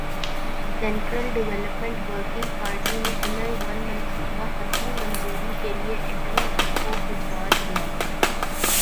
central Development Working Party نے M L one منصوبہ حتمی منظوری کیلئے ایکنک کو بھجوادیا